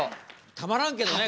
たまらんけどね